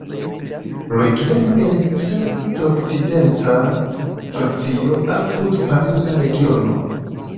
Regiono el centr-okcidenta Francio apud Pariza Regiono.